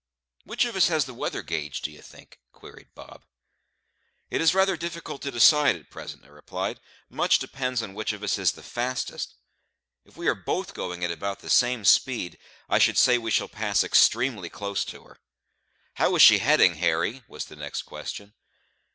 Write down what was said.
"Which of us has the weather gauge, d'ye think?" queried Bob. "It is rather difficult to decide at present," I replied. "Much depends upon which of us is the fastest. If we are both going at about the same speed, I should say we shall pass extremely close to her." "How is she heading, Harry?" was the next question.